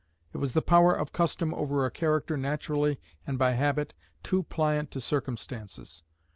It was the power of custom over a character naturally and by habit too pliant to circumstances.